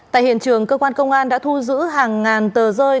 tại hiện trường cơ quan công an đã thu giữ hàng ngàn tờ rơi